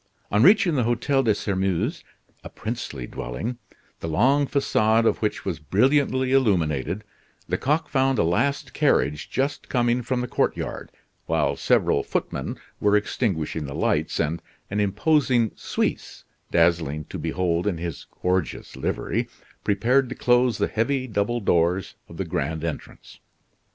On reaching the Hotel de Sairmeuse, a princely dwelling, the long facade of which was brilliantly illuminated, Lecoq found a last carriage just coming from the courtyard, while several footmen were extinguishing the lights, and an imposing "Suisse," dazzling to behold in his gorgeous livery, prepared to close the heavy double doors of the grand entrance.